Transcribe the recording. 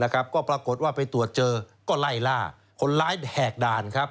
ก็ปรากฏว่าไปตรวจเจอก็ไล่ล่าคนร้ายแหกด่านครับ